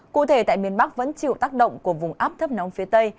cụ thể tại miền bắc vẫn chịu tác động của vùng áp thấp nóng phía tây